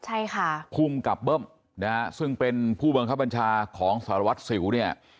ใช่ค่ะภูมิกับเบิ้มนะฮะซึ่งเป็นผู้บังคับบัญชาของสารวัตรสิวเนี่ย